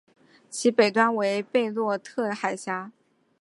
其北端为贝洛特海峡。